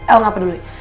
el gak peduli